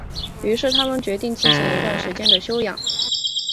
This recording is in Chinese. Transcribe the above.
于是他们决定进行一段时间的休养。